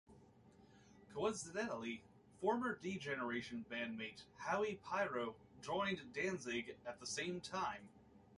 Coincidentally, former D Generation bandmate Howie Pyro joined Danzig at the same time.